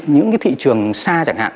những cái thị trường xa chẳng hạn